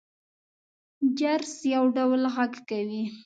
جرس يو ډول غږ کوي.